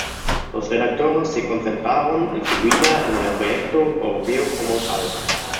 Los redactores se concentraron enseguida en el proyecto europeo como tal.